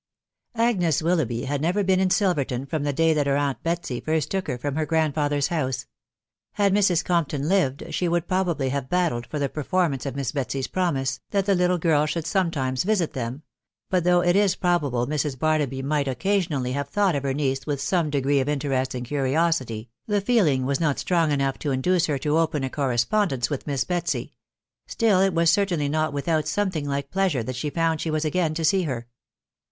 Acnes Willoughby had never been in Silverton from the day that her aunt Betsy first took her from her grandfather's house. Had Mrs. Compton lived, she would probably have battled for the performance of Miss Betsy's promise, that the little girl should sometimes visit them ; but though it i3 pro bable Mrs. Barnaby might occasionally have thought of her niece with some degree of interest and curiosity, the feeling was not strong enough to induce her to open a correspondence with Miss Betsy ; still it was certainly not without some thing like pleasure that she found she was again to see her.